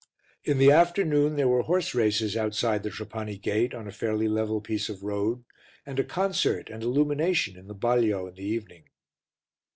In the afternoon there were horse races outside the Trapani gate on a fairly level piece of road, and a concert and illumination in the balio in the evening.